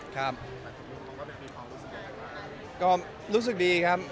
ก็รู้สึกดีครับ